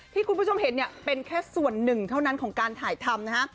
ที่คุณผู้ชมเห็นเนี่ยเป็นแค่ส่วนหนึ่งเท่านั้นของการถ่ายทำนะฮะ